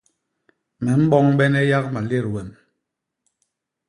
Me mboñbene yak malét wem.